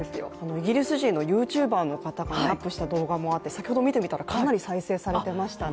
イギリス人のＹｏｕＴｕｂｅｒの方がアップした動画もあって、先ほど見てみたらかなり再生されていましたね